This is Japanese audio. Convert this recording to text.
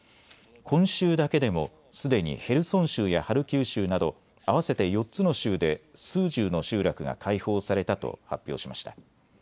今週だけでもすでにヘルソン州やハルキウ州など合わせて４つの州で数十の集落が解放されたと発表しました。